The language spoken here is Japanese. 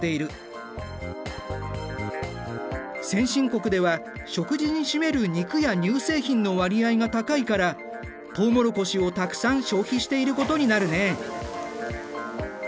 先進国では食事に占める肉や乳製品の割合が高いからとうもろこしをたくさん消費していることになるね。